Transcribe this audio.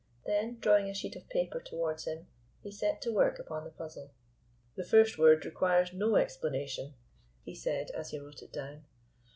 Then drawing a sheet of paper towards him, he set to work upon the puzzle. "The first word requires no explanation," he said as he wrote it down.